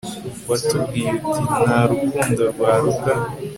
watubwiye uti, nta rukundo rwaruta